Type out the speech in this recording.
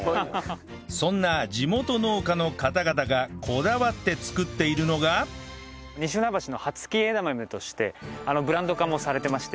そんな地元農家の方々がこだわって作っているのがとしてブランド化もされてまして。